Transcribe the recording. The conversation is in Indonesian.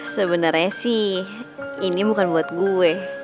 sebenarnya sih ini bukan buat gue